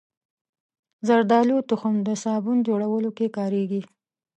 زردالو تخم د صابون جوړولو کې کارېږي.